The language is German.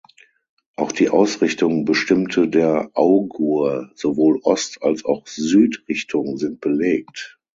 Auch die Ausrichtung bestimmte der Augur: Sowohl Ost- als auch Südrichtung sind belegt.